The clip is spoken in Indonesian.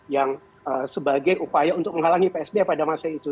yang sebagai upaya untuk menghalangi psb pada masa itu